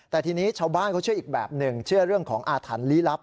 แต่ทีนี้ชาวบ้านเขาเชื่ออีกแบบหนึ่งเชื่อเรื่องของอาถรรพ์ลี้ลับ